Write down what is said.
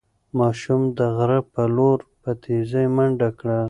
ماشوم د غره په لور په تېزۍ منډه کړه.